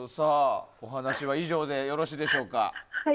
お話は以上でよろしいでしょうか。